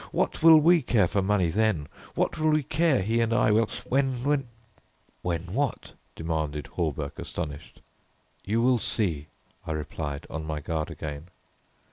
What will we care for money then what will we care, he and I, when when " "When what?" demanded Hawberk, astonished. "You will see," I replied, on my guard again.